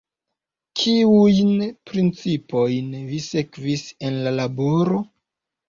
Kiujn principojn vi sekvis en la laboro?